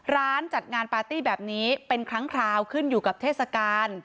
ร้านจัดงานปาร์ตี้แบบนี้เป็นครั้งคราวขึ้นอยู่กับเทศกาล